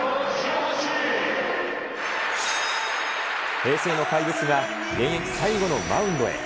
平成の怪物が現役最後のマウンドへ。